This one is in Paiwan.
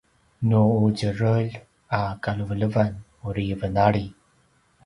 nu ’udjerelj a kalevelevan uri venali